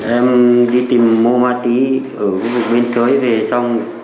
em đi tìm mua ma túy ở quận bến sới về xong